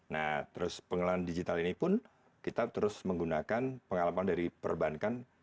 nah terus pengelolaan digital ini pun kita terus menggunakan pengalaman dari perbankan